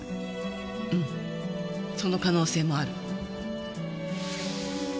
うんその可能性もある。